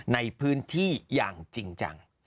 ในพื้นที่อย่างจริงจัง